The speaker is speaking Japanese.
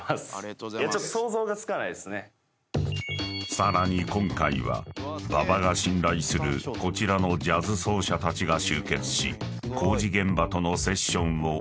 ［さらに今回は馬場が信頼するこちらのジャズ奏者たちが集結し工事現場とのセッションを行ってもらう］